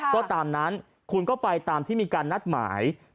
ก็ตามนั้นคุณก็ไปตามที่มีการนัดหมาย